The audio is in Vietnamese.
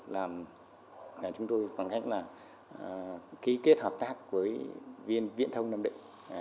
làm chúng tôi bằng cách là ký kết hợp tác với viện viễn thông nam định